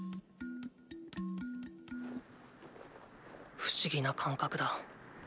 不思議な感覚だ。